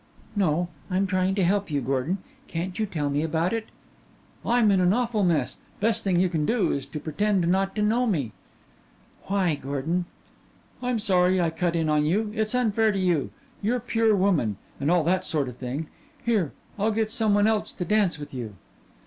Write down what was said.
"No; I'm trying to help you, Gordon. Can't you tell me about it?" "I'm in an awful mess. Best thing you can do is to pretend not to know me." "Why, Gordon?" "I'm sorry I cut in on you its unfair to you. You're pure woman and all that sort of thing. Here, I'll get some one else to dance with you."